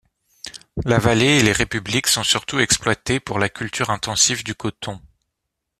La vallée et les républiques sont surtout exploitées pour la culture intensive du coton.